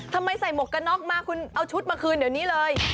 ใส่หมวกกระน็อกมาคุณเอาชุดมาคืนเดี๋ยวนี้เลย